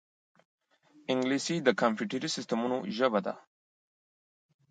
انګلیسي د کمپیوټري سیستمونو ژبه ده